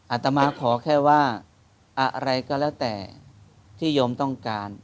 อาตมาขอแค่ว่าอะไรก็แล้วแต่ที่โยมต้องการ